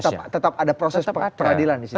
jadi tetap ada proses pengadilan disitu ya